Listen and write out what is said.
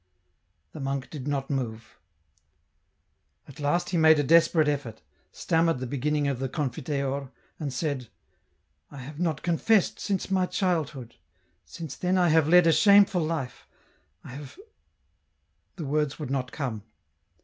The monk did not move. At last he made a desperate eifort, stammered the begin ning of the Confiteor, and said, " I have not confessed, since my childhood ; since then I have led a shameful life, I have ..." The words would not come.